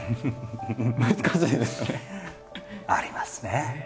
難しいですよね。ありますね。